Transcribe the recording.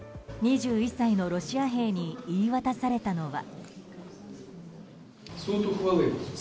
２１歳のロシア兵に言い渡されたのは。